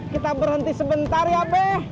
kita berhenti sebentar ya be